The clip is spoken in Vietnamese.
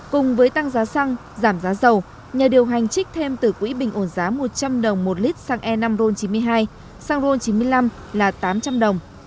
cùng với tăng giá xăng giảm giá dầu nhà điều hành trích thêm từ quỹ bình ổn giá một trăm linh đồng một lít xăng e năm ron chín mươi hai xăng ron chín mươi năm là tám trăm linh đồng